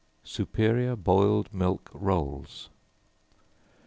Superior Boiled Milk Rolls.